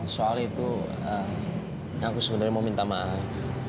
soal itu aku sebenarnya mau minta maaf